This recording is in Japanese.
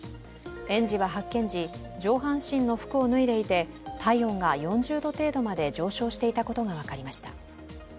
園児は発見時、上半身の服を脱いでいて、体温が４０度程度まで上昇していたことが分かりました。